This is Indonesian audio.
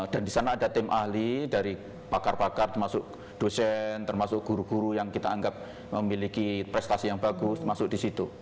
dan di sana ada tim ahli dari pakar pakar termasuk dosen termasuk guru guru yang kita anggap memiliki prestasi yang bagus termasuk di situ